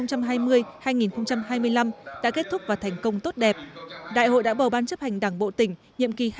nhiệm kỳ hai nghìn hai mươi hai nghìn hai mươi năm đã kết thúc và thành công tốt đẹp đại hội đã bầu ban chấp hành đảng bộ tỉnh